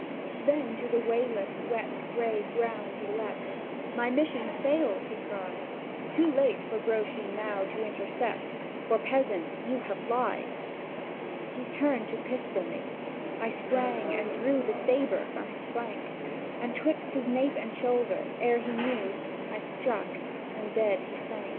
Then to the wayless wet gray ground he leapt; "My mission fails!" he cried; "Too late for Grouchy now to intercept, For, peasant, you have lied!" He turned to pistol me. I sprang, and drew The sabre from his flank, And 'twixt his nape and shoulder, ere he knew, I struck, and dead he sank.